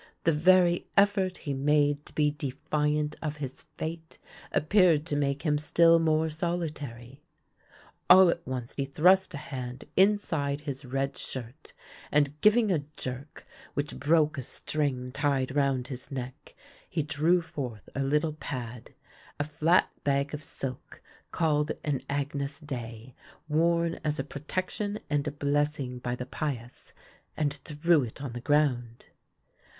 The very effort he made to be defiant of his fate appeared to make him still more solitary. All at once he thrust a hand inside his red shirt, and, giving a jerk which broke a string tied round his neck, he drew forth a little pad, a flat bag of silk, called an Agnus Dei, worn as a protection and a blessing by the pious, and threw it on the ground.